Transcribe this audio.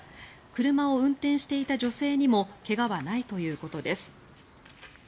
車を運転していた女性にも怪我はないということです。